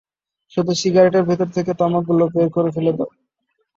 শুধু সিগারেটের ভেতর থেকে তামাকগুলো বের করে ফেলে দাও।